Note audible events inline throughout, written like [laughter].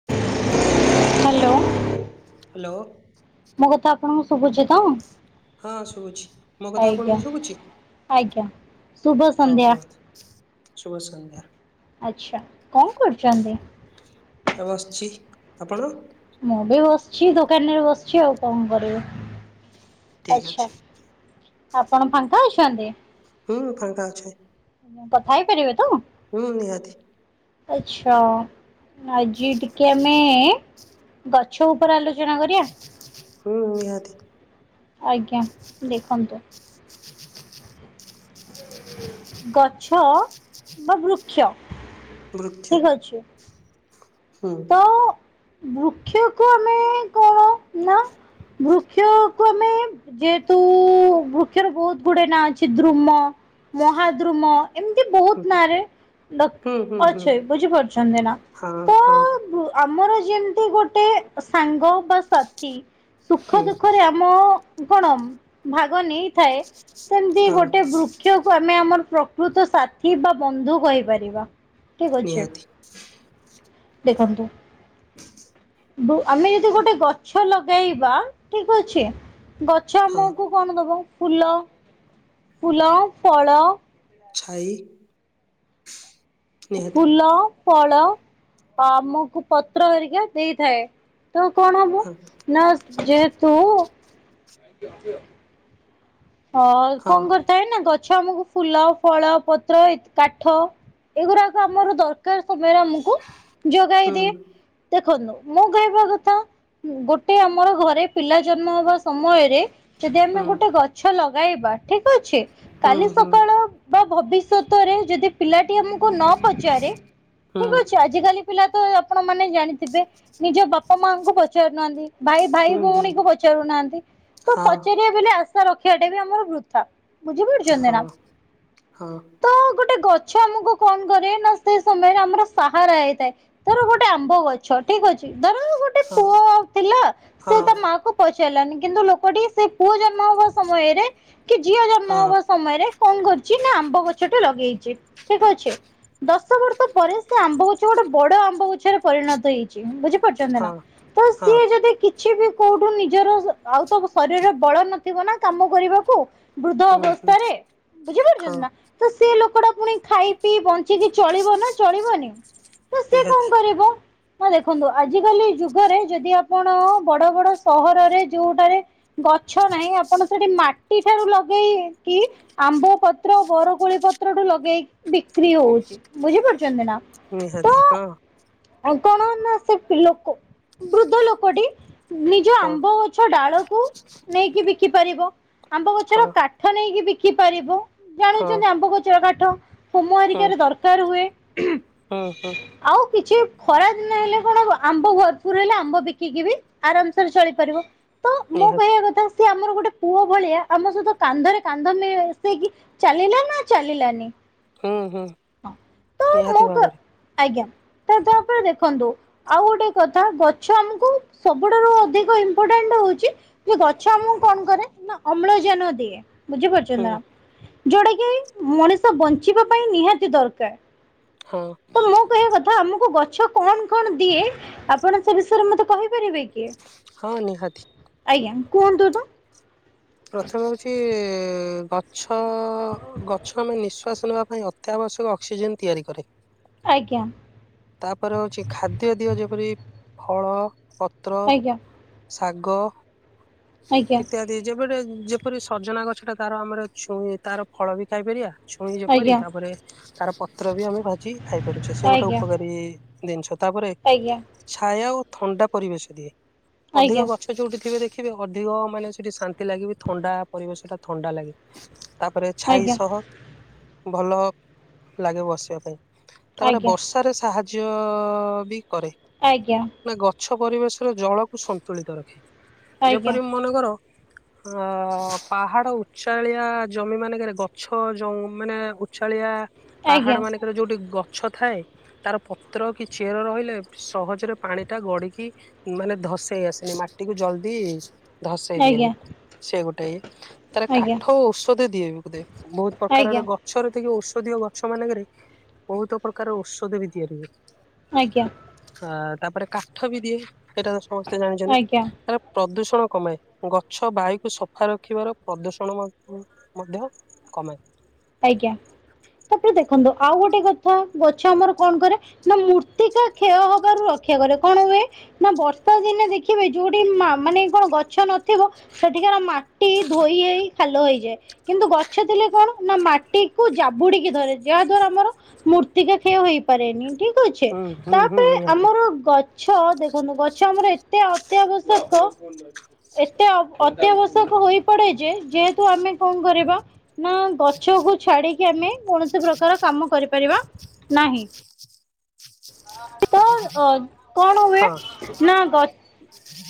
ହ। Hello. Hello. ମୋ କଥା ଆପଣଙ୍କୁ ଶୁବୁଚି ତ? ହଁ ଶୁବୁଛି ମୋ କଥା ଆଜ୍ଞା ଆପଣଙ୍କୁ ଶୁବୁଛି? ଆଜ୍ଞା। ଶୁଭ ହଉ ସନ୍ଧ୍ୟା କୁହନ୍ତୁ ଶୁଭ ସନ୍ଧ୍ୟା। ଆଚ୍ଛା କଣ କରୁଚନ୍ତି? ଏ ବସଚି ଆପଣ? ମୁଁ ବି ବସଛି ଦୋକାନରେ ବସଛି ଆଉ କଣ କରିବି। ଠିକ ଆଚ୍ଛା ଅଛି ଆପଣ ଫାଙ୍କା ଅଛନ୍ତି? ହୁଁ ଫାଙ୍କା ଅଛି। କଥା ହେଇ ପାରିବେ ତ? ହୁଁ ନିହାତି। ଆଚ୍ଛା ଆଜି ଟିକେ ଆମେ। ଗଛ ଉପରେ ଆଲୋଚନା କରିବା। ହୁଁ ହୁଁ ନିହାତି। ଆଜ୍ଞା ଦେଖନ୍ତୁ। ଗଛ ବା ବୃକ୍ଷ। ବୃକ୍ଷ ଠିକ ଅଛି। ହୁଁ। ତ ବୃକ୍ଷକୁ ଆମେ କଣ ନା ବୃ କ୍ଷକୁ ଆମେ ଯେହେତୁ ବୃକ୍ଷର ବହୁତ ଗୁଡେ ନାଁ ଅଛି ଦ୍ରୁମ। ମହାଦ୍ରୁମ। ଏମତି ହୁଁ ବହୁତ ନାଁରେ ହୁଁ ହୁଁ ଡ଼କ ହୁଁ ଅଛେ ବୁଝିପାରୁଚନ୍ତି ନା ହଁ ତ। ହଁ କୁ ଆମର ଯେମତି ଗୋଟେ ସାଙ୍ଗ ବା ସାଥି। ସୁଖ ହୁଁ ଦୁଃଖରେ ଆମ କଣ ଭାଗ ନେଇଥାଏ। ସେମତି ହଁ ଗୋଟେ ବୃକ୍ଷକୁ ଆମେ ଆମର ପ୍ରକୃତ ସାଥି ବା ବନ୍ଧୁ କହିପାରିବା। ଠିକ ଅଛି ନିହାତି। ଦେଖନ୍ତୁ। [inaudible] ବୋ ଆମେ ଯଦି ଗୋଟେ ଗଛ ଲଗେଇବା ଠିକ୍ ଅଛି ଗଛ। ହଁ। ଆମକୁ କଣ ଦବ ଫୁଲ ଫୁଲ ଓ ଫଳ। ଛାଇ। ନିହାତି ଫୁଲ ଫଳ ଆମୁକୁ ପତ୍ର ଘରିକା ଦେଇଥାଏ। ତୁ କଣ ହବୁ ହଁ ନା ଯେହେତୁ। ଅ ହଁ କଣ କର କାଇଁ ନା ଗଛ ଆମୁକୁ ଫୁଲ ଫଳ ପତ୍ର ଇତ କାଠ ଏଗୁରାକ ଆମର ଦର - କାର୍ ସମୟରେ ଆମୁକୁ ଯୋଗାଇ ଦିଏ ହୁଁ ଦେଖନ୍ତୁ ମୁଁ କହିବା କଥା। ଗୋଟେ ଆମର ଘରେ ପିଲା ଜନ୍ମ ହବା ସମୟରେ। ଯଦି ହୁଁ ଆମେ ଗୋଟେ ଗଛ ଲଗାଇବା ଠିକ୍ ଅଛି ହୁଁ କାଲି ହୁଁ ସକାଳ। ବା ଭବିଷ୍ୟତରେ ଯଦି ପିଲାଟି ଆମୁକୁ ନ ପଚାରେ ହୁଁ ଠିକ ଅଛି ଆଜ କାଲି। ପିଲା ତ ଆପଣ ମାନେ ଜାଣିଥିବେ ନିଜ ବାପା ମାଙ୍କୁ ପଚାରୁନାହାନ୍ତି। ଭାଇ ଭାଇ ହୁଁ ହୁଁ ଭଉଣୀକୁ ପଚାରୁନାହାନ୍ତି ତ ପଚାରିବା ବୋଲି ଆ ରଖିବାଟା ବି ଆମର ବୃଥା ବୁଝିପାରୁଚନ୍ତି ହଁ ନା ହଁ ତ ଗୋଟେ ଗ ଛ ଆମୁକୁ କଉ କରେ ନା ସେ ସମୟରେ ଆମର ସାହାରା ହେଇଥାଏ ଧର ଗୋଟେ ଆମ୍ବ ଗ ଛ ଠିକ ଅଛି ଧର ଗୋଟେ ହଁ ହଁ ପୁଅ ଆଉ ଥିଲା ସେ ହଁ ତା ମା କୁ ପଚାରିଲାନି। କିନ୍ତୁ ଲୋକଟି ସେ ପୁଅ ଜନ୍ମ ହବା ସମୟରେ କି ଝିଅ ଜନ୍ମ ହବା ସମୟରେ କଣ କରୁଚି ନା ଆମ୍ବ ଗଛ ଟେ ଲଗେଇଚି ଠିକ ଅଛି। ଦଶ ବର୍ଷ ପରେ ସେ ଆମ୍ବ ଗୁଛ ଗୋଟେ ବଡ ଆମ୍ବ ଗଛରେ ପରିଣତ ହେଇଚି। ବୁଝିପାରୁଚନ୍ତି ହଁ ନା? ହଁ ତ ହଁ ସିଏ ଯଦି କିଛି ବି କୋଉଠୁ ନିଜର ଆଉ ତ ଶରୀରରେ ବଳ ନଥିବ ନା କାମ କରିବାକୁ ବୃଦ୍ଧ ହୁଁ ହୁଁ ଅବସ୍ଥାରେ। ହଁ ବୁଝିପାରୁଚନ୍ତି ନା। ତ ସେ ଲୋକଟା ପୁଣି ଖାଇ ପିଇ ବଞ୍ଚିକି ଚଳିବ ନା ଚଳିବନି? ତ ସେ ନିହାତି କଣ କରିବ? ହଁ ଦେଖନ୍ତୁ ଆଜିକାଲି ଯୁଗରେ ଯଦି ଆପଣ ବଡ ବଡ ସହରରେ ଯୋଉଟାରେ ଗଛ ନାହିଁ ଆପଣ ସେଠି ମାଟି ଠାରୁ ଲଗେଇକି ଆମ୍ବ ପତ୍ର ବରକୋଳି ପତ୍ରଠୁ ଲଗେଇକି ବିକ୍ରି ହଉଚି। ବୁଝିପାରୁଚନ୍ତି ନା ନିହାତି ହଁ ତ କଣ ନା ସେ ଲୋକ ବୃଦ୍ଧ ଲୋକଟି ନିଜ ହଁ ଆମ୍ବ ଗଛ ଡାଳକୁ ନେଇକି ବିକି ପାରିବ। ଆମ୍ବ ହଁ ଗଛର କାଠ ନେଇକି ବିକି ପାରିବ। ହଁ ଜାଣୁଚନ୍ତି ଆମ୍ବ ଗଛର କାଠ ହୋମ ହୁଁ ଆରିକାରେ ଦରକାର ହୁଏ। ହୁଁ ହୁଁ। ଆଉ କିଛି ଖରା ଦିନ ହେଲେ କଣ ଆମ୍ବ ଭରପୁର ହେଲେ ଆମ୍ବ ବିକିକି ବି ଆରାମସରେ ଚଳିପାରିବ। ନିହାତି। ସେ ଆମର ଗୋଟେ ପୁଅ ଭଳିଆ ଆମ ସହିତ କାନ୍ଧରେ କାନ୍ଧ ମିସେଇକି ଚାଲିଲା ନା ଚାଲିଲାନି? ହୁଁ ହୁଁ ହଁ ତ ମୁଁ ନିହାତି କ ଭାବରେ। ଆଜ୍ଞା ତ ତା ପରେ ଦେଖନ୍ତୁ। ଆଉ ଗୋଟେ କଥା ଗଛ ଆମକୁ ସବୁଠାରୁ ଅଧିକ ଇମ୍ପୋଟାଣ୍ଟ ହଉଚି କି ଗଛ ଆମକୁ କଣ କରେ ନା ଅମ୍ଳଜାନ ଦିଏ। ହୁଁ ବୁଝିପାରୁଚନ୍ତି ନା ଯୋଉଟା କି ମଣିଷ ବଞ୍ଚିବା ପାଇଁ ନିହାତି ଦରକାର। ହଁ। ତ ମୋ କହିବା କଥା ଆମକୁ ଗଛ କଣ କଣ ଦିଏ ଆପଣ ସେ ବିଷୟରେ ମତେ କହିପାରିବେ କି? ହଁ ନିହାତି। ଆଜ୍ଞା କୁହନ୍ତୁ ତ? ପ୍ରଥମେ ହଉଚି ଗଛ ଗଛ ଆମେ ନିଶ୍ଵାସ ନେବା ପାଇଁ ଅତ୍ୟାବଶ୍ୟକ ଅକ୍ସିଜେନ ତିଆରି କରେ। ଆଜ୍ଞା। ତାପରେ ହଉଚି ଖାଦ୍ୟ ଦିହ ଯେପରି ଫଳ ପତ୍ର ଆଜ୍ଞା ଶାଗ ଆଜ୍ଞା ଇତ୍ୟାଦି। ଯେବେଟ ଯେପରି ସଜନା ଗଛ ଟା ତାର ଆମର ଛୁଇ ତାର ଫଳ ବି ଖାଇପାରିବା। ଛୁଇଁ ଯେପରି ଆଜ୍ଞା ତାପରେ ତାର ପତ୍ର ବି ଆମେ ଭାଜି ଖାଇପାରୁଚେ। ସେ ଗୋଟେ ଆଜ୍ଞା ଉପକାରୀ ଜିନିଷ। ତାପରେ ଆଜ୍ଞା। ଛାୟା ଓ ଥଣ୍ଡା ପରିବେଶ ଦିଏ ଅଧିକ ଆଜ୍ଞା ଗଛ ଯୋଉଠି ଥିବେ ଦେଖିବେ ଅଧିକ ମାନେ ସେଠି ଶାନ୍ତି ଲାଗିବ ଥଣ୍ଡା ପରିବେଶ ଟା ଥଣ୍ଡା ଲାଗେ। ତାପରେ ଛାଇ ଆଜ୍ଞା ସହ ଭଲ ଲାଗେ ବସିବା ପାଇଁ ତାପରେ ଆଜ୍ଞା ବର୍ଷା ତାର ସାହାଯ୍ୟ ବି କରେ। ଆଜ୍ଞା। ନା ଗଛ ପରିବେଶରେ ଜଳକୁ ସନ୍ତୁଳିତ ରଖେ ଆଜ୍ଞା ଯେପରି ମନେକର। ହଁ ପାହାଡ ଉଚାଳିଆ ଜମି ମାନଙ୍କରେ ଗଛ ଜ ମାନେ ଉଚାଳିଆ ପାହାଡ ଆଜ୍ଞା ମାନଙ୍କର ଯୋଉଠି ଗଛ ଥାଏ। ତାର ପତ୍ର କି ଚେର ରହିଲେ ସହଜରେ ପାଣିଟା ଗଢିକି ମାନେ ଧସେଇ ଆସେନି ମାଟି କୁ ଜଲଦି ଧସେଇ ଦିଏନି ଆଜ୍ଞା ସେ ଗୋଟେ ଇଏ ତାପରେ ଆଜ୍ଞା କାଠ ଔଷଧ ଦିଏନି ବୋଧେ। ବୋହୁତ ଆଜ୍ଞା ପ୍ରକାରର ଆଜ୍ଞା ଗ ଗଛରେ କି ଔଷଧୀୟ ଗଛ ମାନଙ୍କରେ ବୋହୁତ ପ୍ରକାର ଔଷଧ ବି ତିଆରି ହୁଏ। ଆଜ୍ଞା। ଅ ତାପରେ କାଠ ବି ଦିଏ। ସେଇଟା ତ ସମସ୍ତେ ଆଜ୍ଞା ଜାଣିଚନ୍ତି। ପ୍ରଦୂଷଣ କମାଏ ଗଛ ବାୟୁ ସଫା ରଖିବାର ପ୍ରଦୂଷଣ ମ-ମଧ୍ୟ କମାଏ। ଆଜ୍ଞା ତାପରେ ଦେଖନ୍ତୁ ଆଉ ଗୋଟେ କଥା ଗଛ ଆମର କଣ କରେ ନା ମୃତିକା କ୍ଷୟ ହବାରୁ ରକ୍ଷା କରେ କଣ ହୁଏ ନା ବର୍ଷା ଦିନେ ଦେ ଖିବେ ଯୋଉଠି ମା-ମାନେ କଣ ଗଛ ନଥିବ ସେଠିକାର ମାଟି ଧୋଇ ହେଇ ଖାଲ ହେଇଯାଏ କିନ୍ତୁ ଗଛ ଥିଲେ କଣ ନା ମାଟି କୁ ଜାବୁଡିକି ଧରେ ଯାହା ଦ୍ଵାରା ଆମର ମୂର୍ତିକା କ୍ଷୟ ହେଇପାରେନି ଠି କ୍ ଅଛ ହୁଁ ହୁଁ ହୁଁ ତାପରେ ନିହାତି ଆମର ଗ ଛ ଦେଖନ୍ତୁ ଗଛ ଆମର ଏତେ ଅତ୍ୟାବଶ୍ୟକ। ଏତେ ଅ-ଅତ୍ୟାବଶ୍ୟକ ହୋଇ ପଡେ ଯେ ଯେହେତୁ ଆମେ କଣ କରିବା ନା ଗଛକୁୁ ଛାଡିକି ଆମେ କୌଣସି ପ୍ରକାର କାମ କରିପାରିବା ନାହିଁ। ତ ଅ କଣ ହୁଏ ହଁ ନା ଗଛ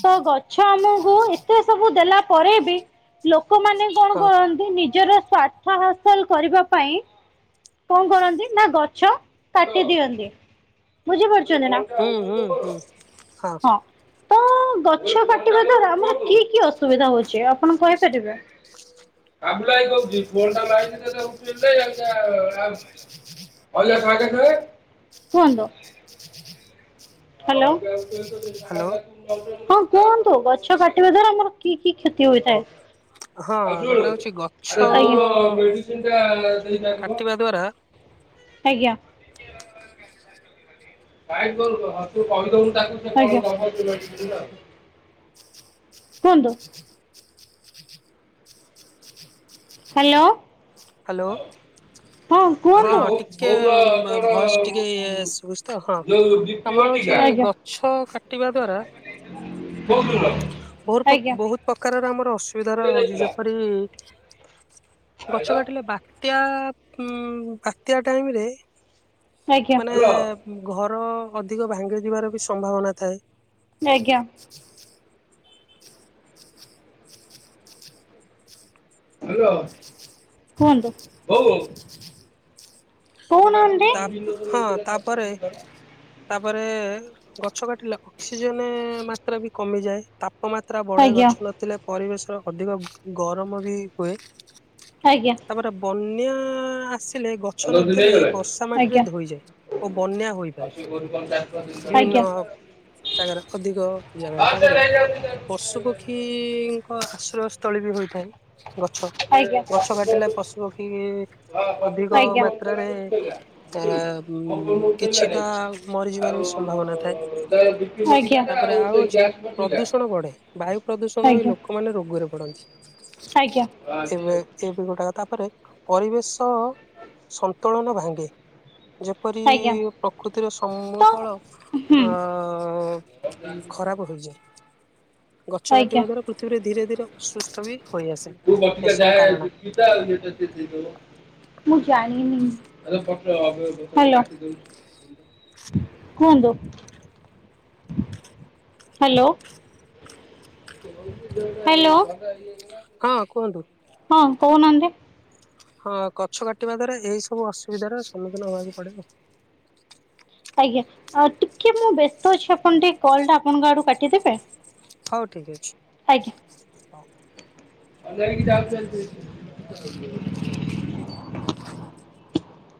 ତ ଗଛ [unintelligible] ଗଛ ଆମକୁ ଏତେ ସବୁ ଦେଲା ପରେ ବି ଲୋକମାନେ କଣ ହଁ କରନ୍ତି। ନି ଜର ସ୍ୱାର୍ଥ ହାସଲ କରିବା ପାଇଁ କଣ କରନ୍ତି ନା ଗଛ କାଟି ଦିଅନ୍ତି ବୁଝି ପାରୁଛନ୍ତି ନା। ହୁଁ ହୁଁ ହୁଁ ହଁ। ତ ଗଛ କାଟିବା ଦ୍ଵାରା ଆମର କି କି ଅସୁବିଧା ହୋଉଛି। ଆପଣ କହିପାରିବେ? ଆବୁଲ ଭାଇ କୋହୁଚି ଫୋନ୍ ଟା ମାଇଲେ ଯେ ଓଠେଇଲୁନି [unintelligible] [unintelligible] କୁହନ୍ତୁ। ହାଲୋ। ହଁ ହ୍ୟାଲୋ କୁହନ୍ତୁ ଗଛ କାଟିବା ଦ୍ଵାରା ଆମର କି କି କ୍ଷତି ହୋଇଥାଏ। ହଁ ଗୋଟେ ହଉଛି ଗଛ ଆଚ୍ଛା। କାଟିବା ଦ୍ଵାରା ଆଜ୍ଞା। ଆଜ୍ଞା। କୁହନ୍ତୁ। ହାଲୋ। ହାଲୋ। ହଁ ଟିକେ ଭଏସ୍ ଟିକେ ଶୁଭୁଚି ତ ହଁ। ଆମର ହୋଉଚି ଗଛ କାଟିବା ଦ୍ଵାରା [unintelligible] ବୋହୁରୁ ପ୍ରୋ ବୋହୁତ ପ୍ରକାରର ଆମର ଅସୁବିଧା ର ହୁଚି ଯେପରି ଗଛ କାଟିଲେ ବାତ୍ୟା ଉଁ ବାତ୍ୟା ଟାଇମରେ ମାନେ ଘର ଅଧିକ ଭାଙ୍ଗି ଯିବାର ବି ସମ୍ଭାବନା ଥାଏ। ଆଜ୍ଞା। ହାଲୋ କୁହନ୍ତୁ କୋହୁନା ତା ହଁ ତାପରେ [unintelligible] [unintelligible] ତାପରେ ଗଛ କାଟିଲେ ଅକ୍ସିଜେନ ମାତ୍ରା ବି କମିଯାଏ। ତା ତାପମାତ୍ରା ବଢେ ଆଜ୍ଞା ଗଛ ନଥିଲେ ପରିବେଶ ଅଧିକ ଗରମ ବି ହୁଏ। ଆଜ୍ଞା ତାପରେ ବନ୍ୟା ଆସିଲେ ଗଛ ନଥିଲେ ବର୍ଷା ମାଟିରେ ଆଜ୍ଞା। ଧୋଇଯାଏ ଓ ବନ୍ୟା ହୋଇପାରେ। ବିଭିନ୍ନ ଆଜ୍ଞା ଜାଗାରେ ଅଧିକ ଜାଗାରେ। ତାପରେ ପଶୁ ପକ୍ଷୀଙ୍କ ଆଶ୍ରୟସ୍ଥଳୀ ବି ହୋଇଥାଏ ଗଛ। ଆଜ୍ଞା। ଗଛ କାଟିଲେ ପଶୁପକ୍ଷୀ ଅଧିକ ମାତ୍ରାରେ ଆ କିଛିଟା ମରିଯିବାର ବି ସମ୍ଭାବନା ଥାଏ। ତାପରେ ଆଉ ହଉଛି ପ୍ରଦୂଷଣ ବଢେ। ବାୟୁ ପ୍ରଦୂଷଣ ହଇ ଲୋକ ଆଜ୍ଞା ଲୋକମାନେ ରୋଗରେ ପଡନ୍ତି। ଆଜ୍ଞା ଏବେ ଏବେ ଗୁଟାକ ତାପରେ ପରିବେଶ ସନ୍ତୁଳନ ଭାଙ୍ଗେ। ଯେପରି ଆଜ୍ଞା ପ୍ରକୃତିର ତ ସମତଳ ହୁଁ ଅ ଖରାପ ହୋଇଯାଏ। ଗଛ ଆଜ୍ଞା କାଟିବା ଦ୍ଵାରା ପୃଥିବୀରେ ଧୀରେ ଧୀରେ ଅସୁସ୍ଥ ବି ହୋଇ ଆସେ ଏସବୁ କାରଣ। କିତେ ଆଉଛି ତ ସେ [unintelligible] ମୁଁ ଜାଣିନି ହ୍ୟାଲୋ କୁହନ୍ତୁ ହ୍ୟାଲୋ? ହୁଁ ହ୍ୟାଲୋ ହଁ କୁହନ୍ତୁ। ହଁ କହୁନାହାନ୍ତି? ହଁ ଗଛ କାଟିବା ଦ୍ଵାରା ଏଇ ସବୁ ଅସୁବିଧାର ସମ୍ମୁଖୀନ ହବାକୁ ପଡେ ଆଉ। ଆଜ୍ଞା ଆ ଟିକେ ମୁଁ ବ୍ୟସ୍ତ ଅଛି ଆପଣ ଟିକେ କଲ୍ ଟା ଆପଣଙ୍କ ଆଡୁ କାଟିଦେବେ? ହଉ ଠିକ୍ ଅଛି ହଉ ଆଜ୍ଞା।